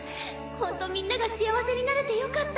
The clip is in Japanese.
ほんとみんなが幸せになれてよかった。